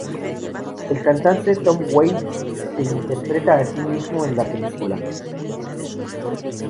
El cantante Tom Waits se interpreta a sí mismo en la película.